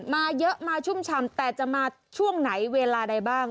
มาเยอะมาชุ่มชำแต่จะมาช่วงไหนเวลาใดบ้าง